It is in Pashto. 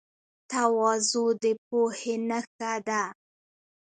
تواضع د پوهې نښه ده.